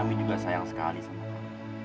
kami juga sayang sekali sama kami